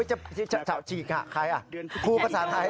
ใครจะจิกใคร